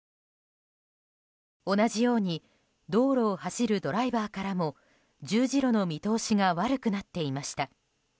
同じように道路を走るドライバーからも十字路の見通しが悪くなっていました。